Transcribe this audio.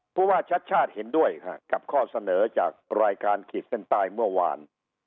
ผู้ว่าชัดชาติเห็นด้วยกับข้อเสนอจากรายการขีดเส้นใต้เมื่อวาน